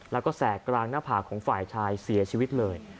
แล้วก็แสกกลางหน้าผากของฝ่ายชายเสียชีวิตเลย